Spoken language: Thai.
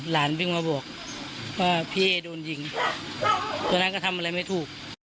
วิ่งมาบอกว่าพี่เอ๊โดนยิงตอนนั้นก็ทำอะไรไม่ถูก